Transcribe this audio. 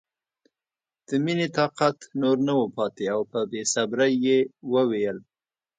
د مینې طاقت نور نه و پاتې او په بې صبرۍ یې وویل